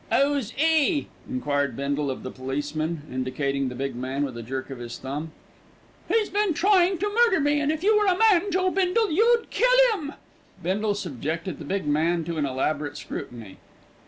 "'Oo's 'e?" enquired Bindle of the policeman, indicating the big man with a jerk of his thumb. "He's been tryin' to murder me, and if you were a man, Joe Bindle, you'd kill 'im." Bindle subjected the big man to an elaborate scrutiny.